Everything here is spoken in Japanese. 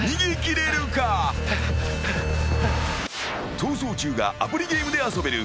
［『逃走中』がアプリゲームで遊べる。